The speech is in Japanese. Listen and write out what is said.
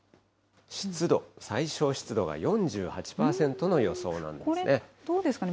湿度、最小湿度が４８％の予想なんですね。